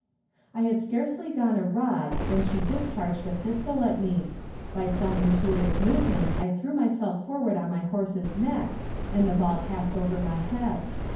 I had scarcely gone a rod when she discharged a pistol at me; by some intuitive movement I threw myself forward on my horse's neck and the ball passed over my head.